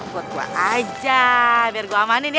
buat kuah aja biar gue amanin ya